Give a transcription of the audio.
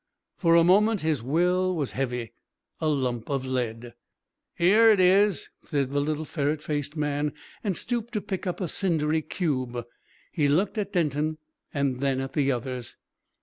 For a moment his will was heavy, a lump of lead. "'Ere it is," said the little ferret faced man, and stooped to pick up a cindery cube. He looked at Denton, then at the others.